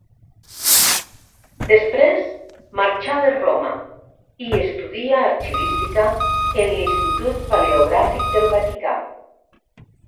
Després marxà vers Roma i estudia arxivística en l'Institut Paleogràfic del Vaticà.